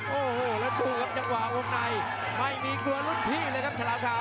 โอ้โหแล้วตู้ครับยังหว่าอุ้งในไม่มีกลัวรุ่นที่เลยครับฉลาดเช้า